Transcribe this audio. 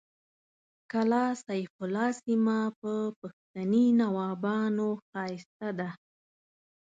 کلا سیف الله سیمه په پښتني نوابانو ښایسته ده